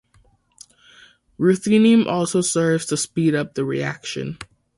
Ruthenium also serves to speed up the reaction.